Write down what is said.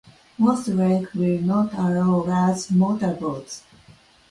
Most lakes will not allow large motorboats.